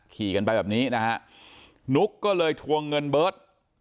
ขี่กันไปแบบนี้นะฮะนุ๊กก็เลยทวงเงินเบิร์ต